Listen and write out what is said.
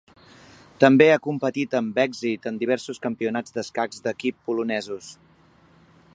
També ha competit amb èxit en diversos Campionats d'Escacs d'Equip polonesos.